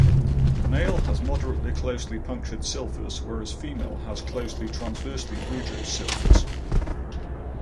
Male has moderately closely punctured clypeus whereas female has closely transversely rugose clypeus.